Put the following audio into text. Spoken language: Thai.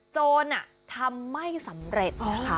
โจรทำไม่สำเร็จ